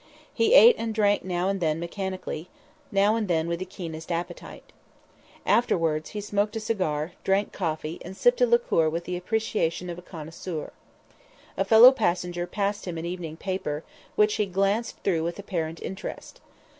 He ate and drank now and then mechanically, now and then with the keenest appetite. Afterwards he smoked a cigar, drank coffee, and sipped a liqueur with the appreciation of a connoisseur. A fellow passenger passed him an evening paper, which he glanced through with apparent interest.